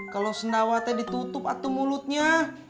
kalau senawati ditutup atau mulutnya